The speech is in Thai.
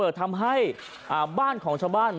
โอ้โหพังเรียบเป็นหน้ากล่องเลยนะครับ